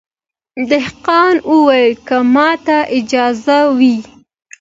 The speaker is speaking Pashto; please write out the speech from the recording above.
دهقان وویل که ماته اجازه وي